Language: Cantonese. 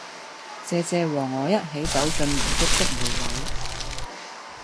謝謝和我一起走進回憶的每位